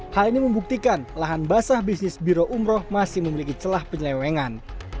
hal ini membuktikan lahan basah bisnis biro umroh masih memiliki celah penyelewengan